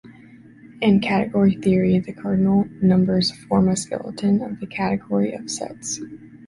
In category theory, the cardinal numbers form a skeleton of the category of sets.